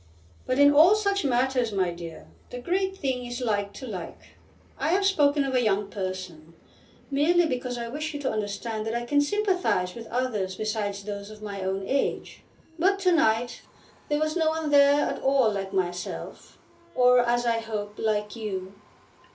"But in all such matters, my dear, the great thing is like to like. I have spoken of a young person, merely because I wish you to understand that I can sympathise with others besides those of my own age. But to night there was no one there at all like myself, or, as I hope, like you.